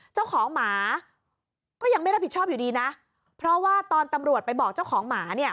เจ้าของหมาก็ยังไม่รับผิดชอบอยู่ดีนะเพราะว่าตอนตำรวจไปบอกเจ้าของหมาเนี่ย